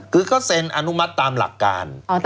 คือเขาเซ็นอนุมัติตามหลักการ